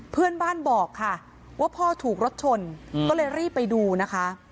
เพื่อนบ้านบอกค่ะว่าพ่อถูกรถชนก็เลยรีบไปดูนะคะ